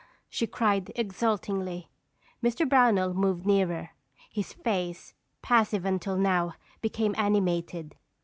she cried exultingly. Mr. Brownell moved nearer. His face, passive until now, became animated.